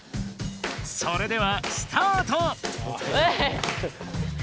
それではスタート！